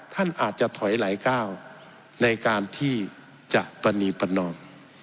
ท่านอาจจะถอยไหลก้าวในการที่จะปรณีประนอม